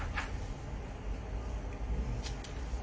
ไม่รู้สึก